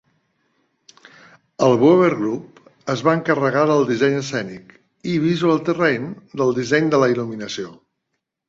El Weber Group es va encarregar del disseny escènic, i Visual Terrain del disseny de la il·luminació.